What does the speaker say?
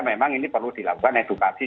memang ini perlu dilakukan edukasi